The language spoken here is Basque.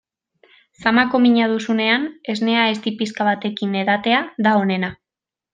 Samako mina duzunean esnea ezti pixka batekin edatea da onena.